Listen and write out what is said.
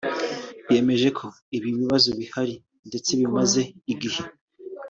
yemeje ko ibi bibazo bihari ndetse bimaze igihe